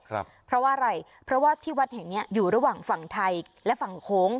เพราะว่าอะไรเพราะว่าที่วัดแห่งเนี้ยอยู่ระหว่างฝั่งไทยและฝั่งโค้ง